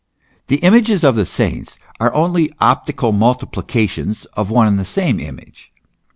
The images of the saints are only optical multiplications of one and the same image.